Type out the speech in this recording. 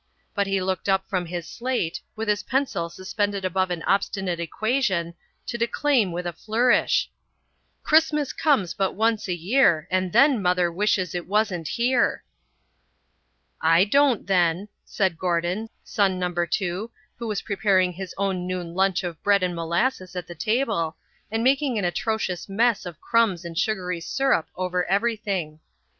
But he looked up from his slate, with his pencil suspended above an obstinate equation, to declaim with a flourish: "Christmas comes but once a year, And then Mother wishes it wasn't here." "I don't, then," said Gordon, son number two, who was preparing his own noon lunch of bread and molasses at the table, and making an atrocious mess of crumbs and sugary syrup over everything.